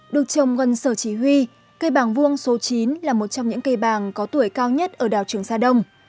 được trồng gần sở chỉ huy cây bàng vuông số chín là một trong những cây bàng có tuổi cao nhất ở đảo trường sa đông